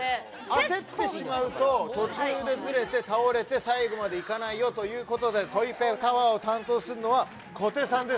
焦ると途中でずれて倒れて最後までいかないということでトイペタワーを担当するのは小手さんです。